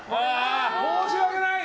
申し訳ない！